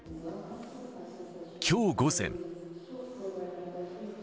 きょう午前。